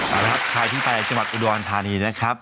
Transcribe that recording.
เอาละครับใครที่ไปจังหวัดอุดรธานีนะครับ